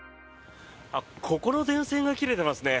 ここの電線が切れていますね。